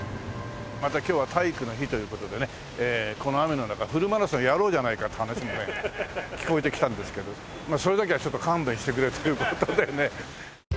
また今日は体育の日という事でねこの雨の中フルマラソンやろうじゃないかって話もね聞こえてきたんですけどそれだけはちょっと勘弁してくれっていう事でね。